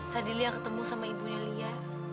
tadi lia ketemu sama ibunya lia